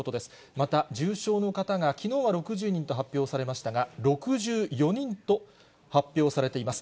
また重症の方がきのうは６０人と発表されましたが、６４人と発表されています。